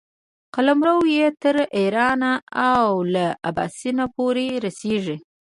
قلمرو یې تر ایرانه او له اباسین پورې رسېږي.